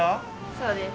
そうです。